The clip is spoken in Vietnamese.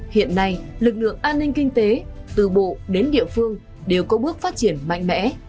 hiện nay lực lượng an ninh kinh tế từ bộ đến địa phương đều có bước phát triển mạnh mẽ